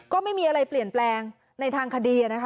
ก็ไม่มีอะไรเปลี่ยนแปลงในทางคดีนะคะ